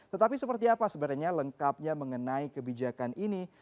tetapi seperti apa sebenarnya lengkapnya mengenai kebijakan ini